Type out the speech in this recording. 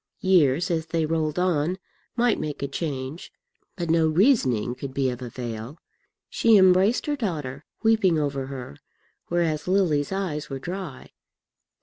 Years as they rolled on might make a change, but no reasoning could be of avail. She embraced her daughter, weeping over her, whereas Lily's eyes were dry.